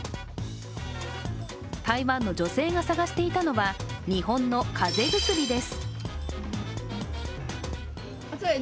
台湾の女性が探していたのは日本の風邪薬です。